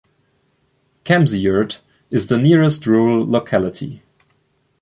Kemsiyurt is the nearest rural locality.